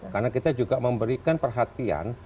karena kita juga memberikan perhatian